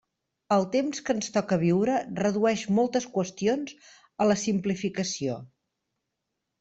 El temps que ens toca viure redueix moltes qüestions a la simplificació.